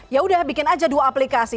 ya sudah bikin saja dua aplikasi